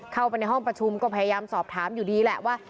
เข้าไปในห้องประชุมก็พยายามสอบถามอยู่ดีแหละว่า